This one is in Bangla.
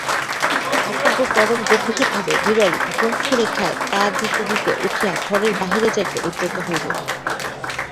অপূর্ব পরম গম্ভীরভাবে বিরল গুম্ফরেখায় তা দিতে দিতে উঠিয়া ঘরের বাহিরে যাইতে উদ্যত হইল।